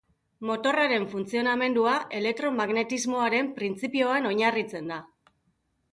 Motorraren funtzionamendua elektromagnetismoaren printzipioan oinarritzen da.